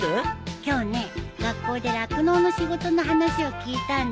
今日ね学校で酪農の仕事の話を聞いたんだ。